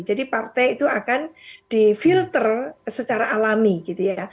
jadi partai itu akan di filter secara alami gitu ya